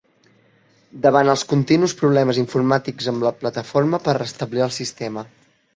Davant els continus problemes informàtics amb la plataforma per restablir el sistema.